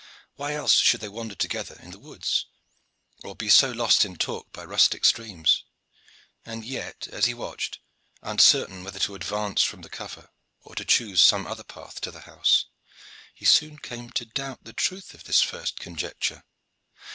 Why else should they wander together in the woods, or be so lost in talk by rustic streams? And yet as he watched, uncertain whether to advance from the cover or to choose some other path to the house, he soon came to doubt the truth of this first conjecture.